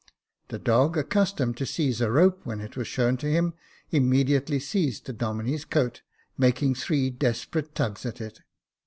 The dog, accustomed to seize a rope when it was shown to him, immediately seized the Domine's coat, making three desperate tugs at it.